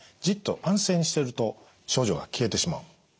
じっと安静にしてると症状が消えてしまう。